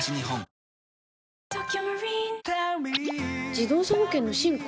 自動車保険の進化？